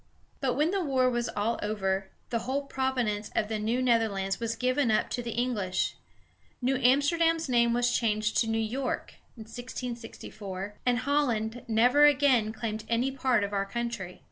But when the war was all over, the whole province of the New Netherlands was given up to the English. New Amsterdam's name was changed to New York (1664), and Holland never again claimed any part of our country.